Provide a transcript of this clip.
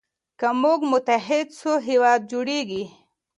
که موږ متحد سو هېواد جوړیږي.